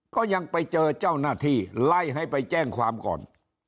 ก็ยังไปเจอเจ้าหน้าที่ไล่ให้ไปแจ้งความก่อน